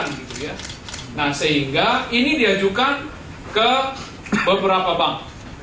nah sehingga ini diajukan ke beberapa bank